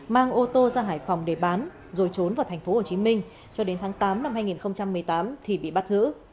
mang ô tô ra hải phòng để bán rồi trốn vào tp hcm cho đến tháng tám năm hai nghìn một mươi tám thì bị bắt giữ